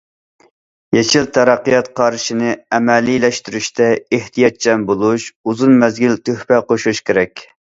يېشىل تەرەققىيات قارىشىنى ئەمەلىيلەشتۈرۈشتە ئېھتىياتچان بولۇش، ئۇزۇن مەزگىل تۆھپە قوشۇش كېرەك.